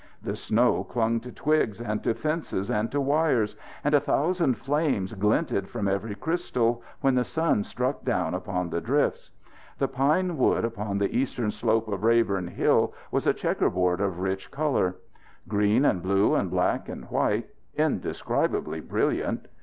The snow clung to twigs and to fences and to wires, and a thousand flames glinted from every crystal when the sun struck down upon the drifts. The pine wood upon the eastern slope of Rayborn Hill was a checkerboard of rich colour. Green and blue and black and white, indescribably brilliant.